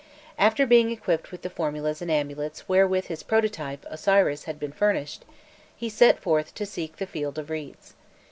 After being equipped with the formulas and amulets wherewith his prototype, Osiris, had been furnished, he set forth to seek the "Field of Reeds."